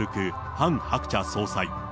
ハン・ハクチャ総裁。